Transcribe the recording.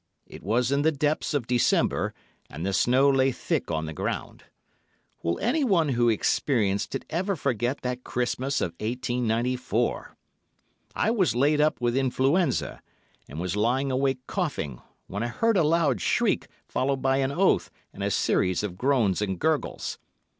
It was in the depths of December, and the snow lay thick on the ground. Will anyone who experienced it ever forget that Christmas of 1894. I was laid up with influenza, and was lying awake coughing, when I heard a loud shriek, followed by an oath, and a series of groans and gurgles.